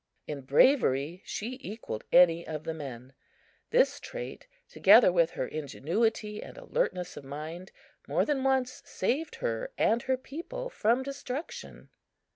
In bravery she equaled any of the men. This trait, together with her ingenuity and alertness of mind, more than once saved her and her people from destruction.